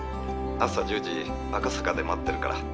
朝１０時赤坂で待ってるから。